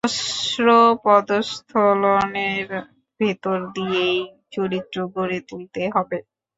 সহস্র পদস্খলনের ভেতর দিয়েই চরিত্র গড়ে তুলতে হবে।